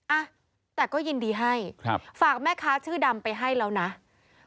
อ้าวแต่ก็ยินดีให้ฝากแม่ค้าชื่อดำไปให้แล้วนะครับ